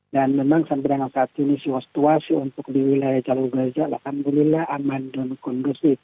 dan memang sampai dengan saat ini siwas tuas untuk di wilayah jalur gaza alhamdulillah aman dan kondusif